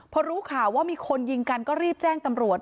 พอรู้ข่าวว่ามีคนยิงกันก็รีบแจ้งตำรวจ